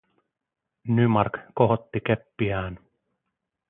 Nymark kohotti keppiään.